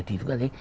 thì chúng ta thấy